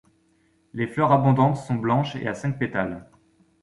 Les fleurs abondantes sont blanches et à cinq pétales.